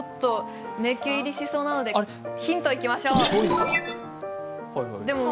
迷宮入りしそうなのでヒントいきましょう。